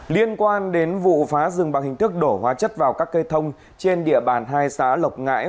liên quan đến vụ phá rừng bằng hình thức đổ hóa chất vào các cây thông trên địa bàn hai xã lộc ngãi